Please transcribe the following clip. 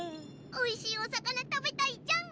おいしいお魚食べたいじゃん！